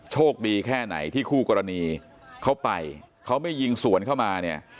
โชคดีแค่ไหนที่คู่กรณีเขาไปเขาไม่ยิงสวนเข้ามาเนี่ย